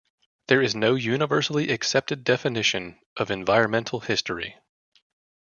There is no universally accepted definition of environmental history.